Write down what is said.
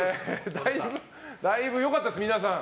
だいぶ、良かったです、皆さん。